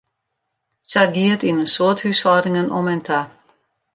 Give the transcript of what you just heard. Sa gie it yn in soad húshâldingen om en ta.